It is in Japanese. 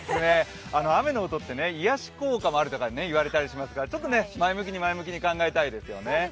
雨の音って、癒やし効果があると言われたりしますがちょっと前向きに前向きに考えたいですよね。